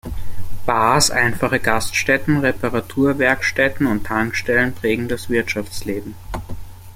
Bars, einfache Gaststätten, Reparaturwerkstätten und Tankstellen prägen das Wirtschaftsleben.